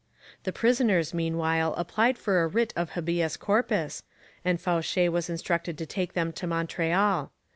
The prisoners meanwhile applied for a writ of habeas corpus, and Fauché was instructed to take them to Montreal.